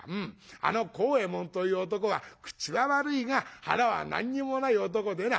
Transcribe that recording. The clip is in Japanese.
あの幸右衛門という男は口は悪いが腹は何にもない男でな。